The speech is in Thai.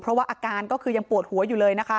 เพราะว่าอาการก็คือยังปวดหัวอยู่เลยนะคะ